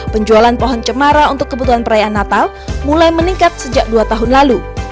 penjualan pohon cemara untuk kebutuhan perayaan natal mulai meningkat sejak dua tahun lalu